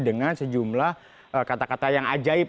dengan sejumlah kata kata yang ajaib